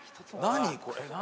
何？